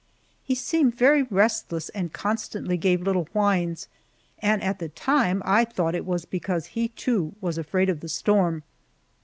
He seemed very restless and constantly gave little whines, and at the time I thought it was because he, too, was afraid of the storm.